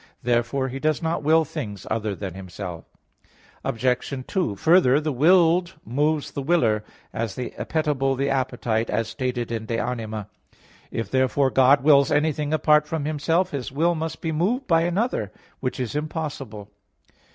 Therefore He does not will things other than Himself. Obj. 2: Further, the willed moves the willer, as the appetible the appetite, as stated in De Anima iii, 54. If, therefore, God wills anything apart from Himself, His will must be moved by another; which is impossible.